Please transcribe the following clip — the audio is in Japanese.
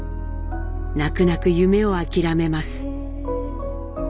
泣く泣く夢を諦めます。